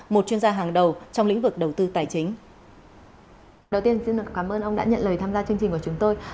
một chuyên gia hàng đầu trong lĩnh vực đầu tư tài chính